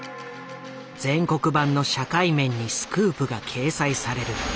全国版の社会面にスクープが掲載される。